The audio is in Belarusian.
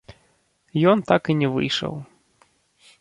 Ён так і не выйшаў.